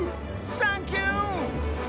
サンキュー！